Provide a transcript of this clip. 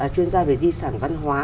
chuyên gia về di sản văn hóa